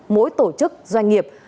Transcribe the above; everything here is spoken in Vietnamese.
mỗi tổ chức doanh nghiệp